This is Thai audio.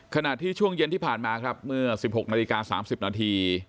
ขณะที่ช่วงเย็นที่ผ่านมาครับเมื่อ๑๖นาฬิกา๓๐นาที